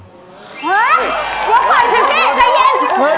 ห๊ะแล้วขออีกสิเก่งใจเย็น